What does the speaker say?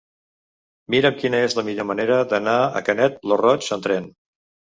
Mira'm quina és la millor manera d'anar a Canet lo Roig amb tren.